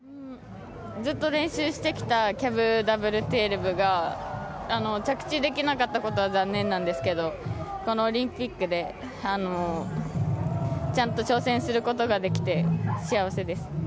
ずっと練習してきたキャブダブル１２６０が着地できなかったことは残念なんですけど、このオリンピックでちゃんと挑戦することができて、幸せです。